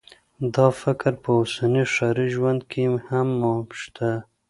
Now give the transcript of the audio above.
دا فکر په اوسني ښاري ژوند کې هم شته